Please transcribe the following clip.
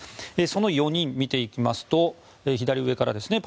その４人を見ていきますと左上からですね